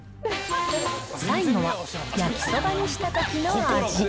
最後は、焼きそばにしたときの味。